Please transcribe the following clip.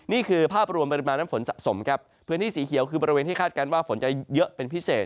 นี่คือภาพรวมปริมาณน้ำฝนสะสมครับพื้นที่สีเขียวคือที่ปริมาณฝนเยอะเป็นพิเศษ